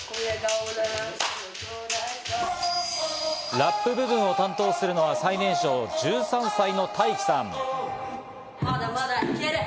ラップ部分を担当するのは、最年少・１３歳のタイキさん。